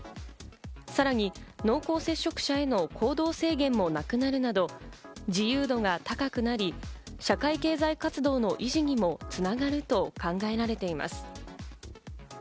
さらに濃厚接触者への行動制限もなくなるなど、自由度が高くなり、社会経済活動の維持にも繋がると考えられています。